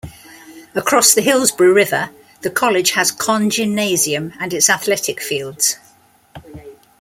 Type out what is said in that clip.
Across the Hillsborough River, the college has Conn Gymnasium and its athletic fields.